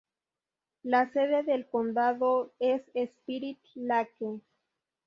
La sede del condado es Spirit Lake.